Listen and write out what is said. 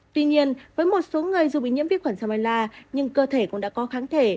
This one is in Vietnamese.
tuy nhiên với một số người dù bị nhiễm vi khuẩn samerla nhưng cơ thể cũng đã có kháng thể